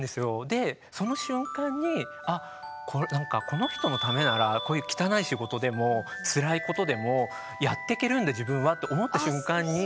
その瞬間にあっなんかこの人のためならこういう汚い仕事でもつらいことでもやってけるんだ自分はと思った瞬間に。